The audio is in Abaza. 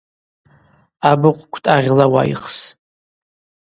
Абыхъв квтӏагъьла уайхс.